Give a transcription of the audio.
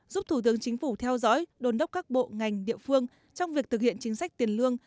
giúp thủ tướng chính phủ theo dõi đồn đốc các bộ ngành địa phương trong việc thực hiện chính sách tiền lương